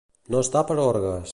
No estar per orgues.